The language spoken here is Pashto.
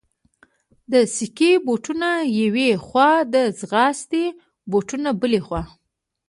د سکې بوټونه یوې خوا، د ځغاستې بوټونه بلې خوا.